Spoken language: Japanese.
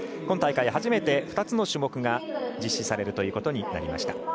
今大会初めて２つの種目が実施されるということになりました。